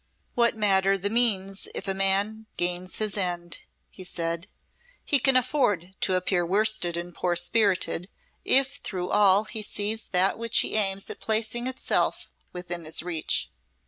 "What matter the means if a man gains his end," he said. "He can afford to appear worsted and poor spirited, if through all he sees that which he aims at placing itself within his reach."